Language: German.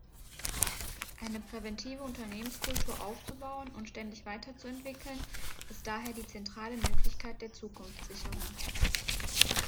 Eine präventive Unternehmenskultur aufzubauen und ständig weiterzuentwickeln ist daher die zentrale Möglichkeit der Zukunftssicherung.